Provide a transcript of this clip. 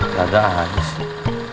nggak ada aja sih